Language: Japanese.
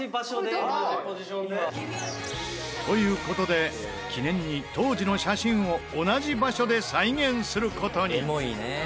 「これどこ？」という事で記念に当時の写真を同じ場所で再現する事に。